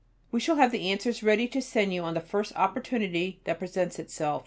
We shall have the answers ready to send you on the first opportunity that presents itself.